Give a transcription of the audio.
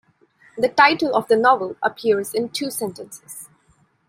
The title of the novel appears in two sentences.